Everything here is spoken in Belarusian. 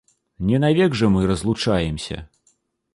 Не навек жа мы разлучаемся.